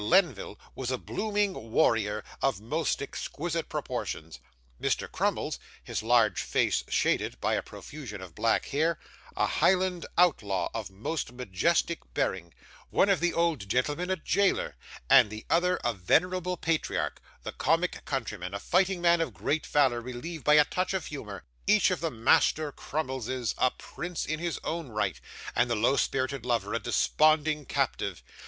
Lenville was a blooming warrior of most exquisite proportions; Mr. Crummles, his large face shaded by a profusion of black hair, a Highland outlaw of most majestic bearing; one of the old gentlemen a jailer, and the other a venerable patriarch; the comic countryman, a fighting man of great valour, relieved by a touch of humour; each of the Master Crummleses a prince in his own right; and the low spirited lover, a desponding captive.